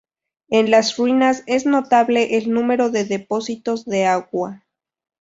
En las ruinas es notable el número de depósitos de agua.